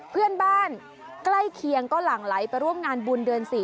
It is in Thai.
เพื่อนบ้านใกล้เคียงก็หลั่งไหลไปร่วมงานบุญเดือน๔